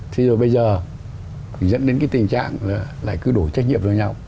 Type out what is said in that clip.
thế rồi bây giờ dẫn đến cái tình trạng là lại cứ đổ trách nhiệm vào nhau